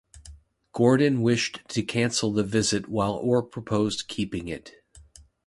Gordon wished to cancel the visit while Orr proposed keeping it.